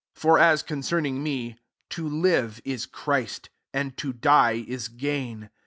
21 For as concerning me, to live is Christ, and to die is gain.